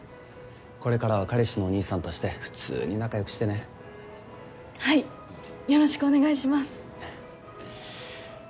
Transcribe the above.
これからは彼氏のお兄さんとして普通に仲よくしてねはいよろしくお願いします